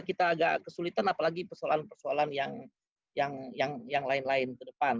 kita agak kesulitan apalagi persoalan persoalan yang lain lain ke depan